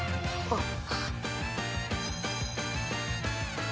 あっ。